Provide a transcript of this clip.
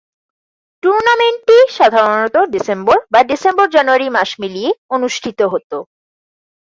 টুর্নামেন্টটি সাধারণত ডিসেম্বর বা ডিসেম্বর-জানুয়ারি মাস মিলিয়ে অনুষ্ঠিত হত।